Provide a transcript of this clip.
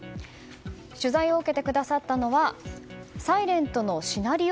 取材を受けてくださったのは「ｓｉｌｅｎｔ」のシナリオ